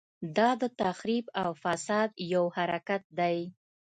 دا د تخریب او فساد یو حرکت دی.